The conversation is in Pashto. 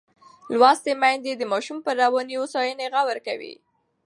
لوستې میندې د ماشوم پر رواني هوساینې غور کوي.